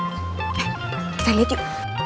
eh kita liat yuk